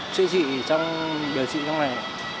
chữa trị trong điều trị trong này